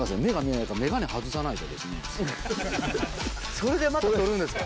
それでまた取るんですか。